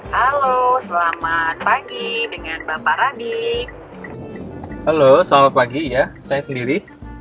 halo selamat pagi dengan bapak radik halo selamat pagi ya saya sendiri